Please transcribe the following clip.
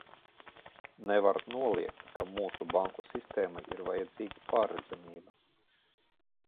Nevar noliegt, ka mūsu banku sistēmā ir vajadzīga pārredzamība.